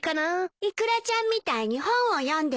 イクラちゃんみたいに本を読んでもらうの？